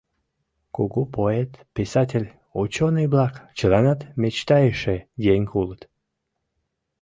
Кугу поэт, писатель, учёный-влак чыланат мечтайыше еҥ улыт.